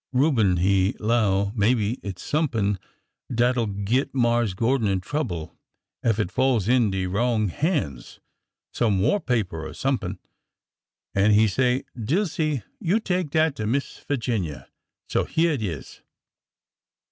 Reuben he 'low maybe it 's somepn dat 'll git Marse Gordon in trouble ef it falls in de wrong hands,— some war paper or somepn,— an' he say :' Dilsey, you take dat to Miss Figinia.' So hyeah it is."